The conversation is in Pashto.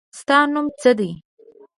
ستا نوم څه دی؟